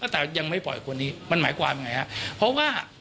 แต่ยังไม่ปล่อยคนนี้มันหมายความยังไงครับ